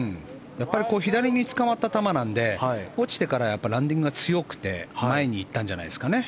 左につかまった球なので落ちてからランディングが強くて前に行ったんじゃないですかね。